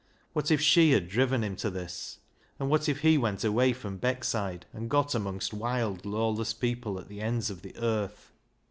What if she had driven him to this? And what if he went away from Beckside and got amongst wild, lawless people at the ends of the earth